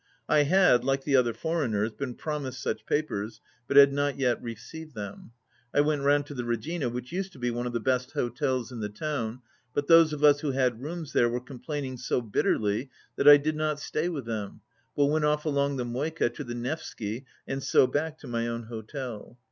I had, like the other foreign ers, been promised such papers but had not yet received them. I went round to the Regina, which used to be one of the best hotels in the town, but those of us who had rooms there were complaining so bitterly that I did not stay with them, but went off along the Moika to the Nevsky and so back to my own hotel.